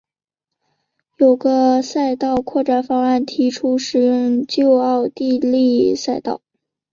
有个赛道扩展方案提出使用旧奥地利赛道。